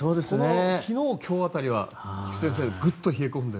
昨日、今日辺りは先生ぐっと冷え込んで。